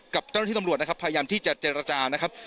กับเจ้าหน้าที่ตำรวจนะครับพยายามที่จะเจรจานะครับ